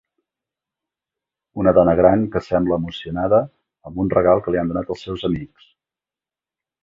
Una dona gran que sembla emocionada amb un regal que li han donat els seus amics.